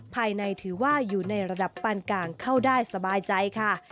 ภายในถือว่าอยู่ในระดับปานกลางเข้าได้สบายใจค่ะ